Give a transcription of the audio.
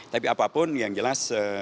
tapi apapun yang jelas